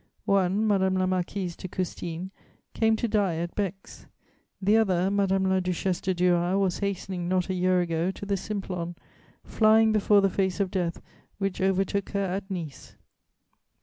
One, Madame la Marquise de Custine, came to die at Bex; the other, Madame la Duchesse de Duras, was hastening, not a year ago, to the Simplon, flying before the face of death which overtook her at Nice."